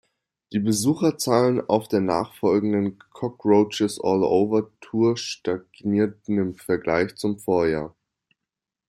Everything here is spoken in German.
Die Besucherzahlen auf der nachfolgenden "Cockroaches-all-over"-Tour stagnierten im Vergleich zum Vorjahr.